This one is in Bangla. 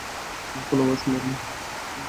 কোনভাবেই সম্ভব না।